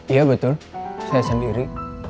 iya betul saya sendiri